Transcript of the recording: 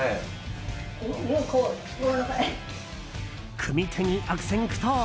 組み手に悪戦苦闘。